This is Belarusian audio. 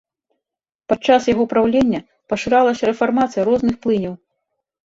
Падчас яго праўлення пашырылася рэфармацыя розных плыняў.